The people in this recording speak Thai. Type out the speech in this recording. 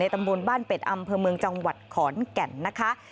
ตำบลบ้านเป็ดอำเภอเมืองจังหวัดขอนแก่นนะคะ